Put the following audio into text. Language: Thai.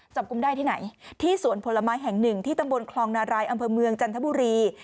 กุมได้ที่ไหนที่สวนผลไม้แห่งหนึ่งที่ตำบลคลองนารายอำเภอเมืองจันทบุรี